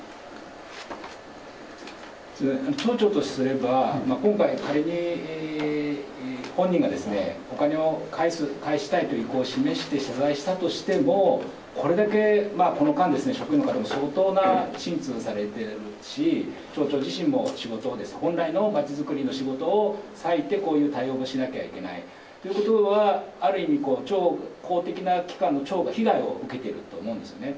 町長とすれば、今回、仮に本人がお金を返す、返したいという意向を示して謝罪したとしても、これだけこの間職員の方も相当な心痛をされてるし、町長自身も仕事を、本来の町づくりの仕事をさいて、こういう対応をしなきゃいけない、ということは、ある意味、公的な機関の町が被害を受けてると思うんですよね。